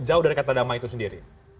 jauh dari kata damai itu sendiri